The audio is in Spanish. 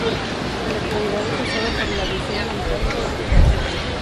En la actualidad, es usado para la aviación militar y vuelos chárter.